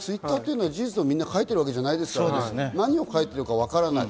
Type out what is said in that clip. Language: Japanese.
Ｔｗｉｔｔｅｒは事実をみんな書いてるわけではないですから、何を書いているかわからない。